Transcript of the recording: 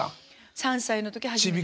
３歳の時初めて。